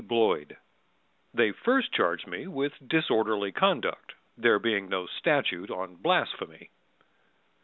Bloyd They first charged me with disorderly conduct, There being no statute on blasphemy.